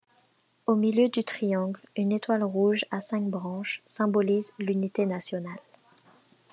Au milieu du triangle, une étoile rouge à cinq branches symbolise l'unité nationale.